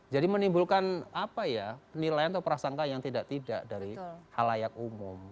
jadi menimbulkan apa ya penilaian atau perasaan yang tidak tidak dari hal layak umum